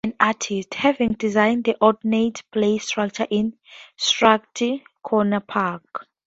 He is also an artist, having designed the ornate play structure in Strathcona Park.